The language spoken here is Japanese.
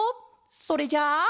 それじゃあ。